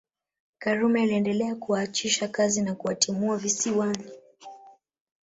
Karume aliendelea kuwaachisha kazi na kuwatimua Visiwani